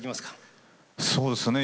そうですね